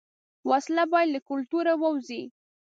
وسله باید له کلتوره ووځي